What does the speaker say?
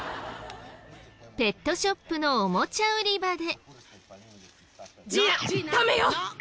ペットショップのおもちゃ売り場で。